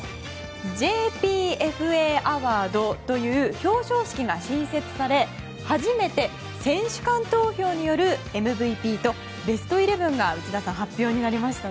ＪＰＦＡアワードという表彰式が新設され初めて選手間投票によるＭＶＰとベストイレブンが内田さん発表になりましたね。